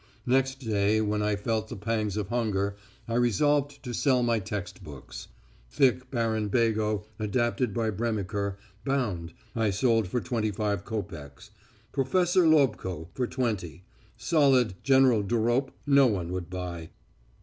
Next day, when I felt the pangs of hunger, I resolved to sell my text books. Thick 'Baron Bego,' adapted by Bremiker, bound, I sold for twenty five copecks; 'Professor Lobko' for twenty; solid 'General Durop' no one would buy.